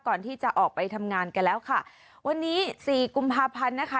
ก่อนที่จะออกไปทำงานกันแล้วค่ะวันนี้สี่กุมภาพันธ์นะคะ